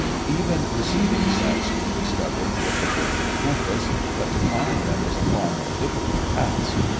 Even receiving sets were discovered with the portable compass, but to find them was a far more difficult task.